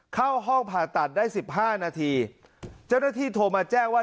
เข้าห้องผ่าตัดได้สิบห้านาทีเจ้าหน้าที่โทรมาแจ้งว่า